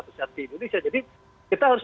besar di indonesia jadi kita harus